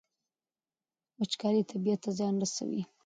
وچکالي طبیعت ته زیان رسوي.